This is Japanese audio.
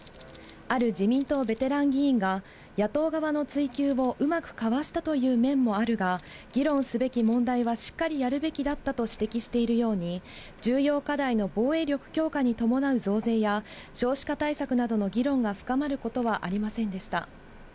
ある自民党ベテラン議員が、野党側の追及をうまくかわしたという面もあるが、議論すべき問題はしっかりやるべきだったと指摘しているように、重要課題の防衛力強化に伴う増税や、少子化対策などの議論が深まることはありませんでした。